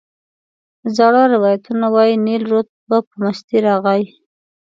زاړه روایتونه وایي نیل رود به په مستۍ راغی.